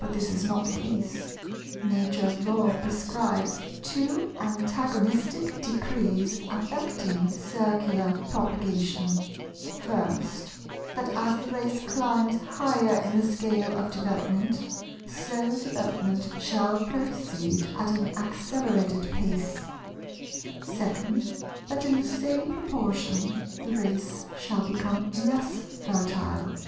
But this is not the case. Nature's Law prescribes two antagonistic decrees affecting Circular propagation; first, that as the race climbs higher in the scale of development, so development shall proceed at an accelerated pace; second, that in the same proportion, the race shall become less fertile.